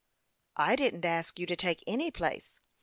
" I didn't ask you to take any place.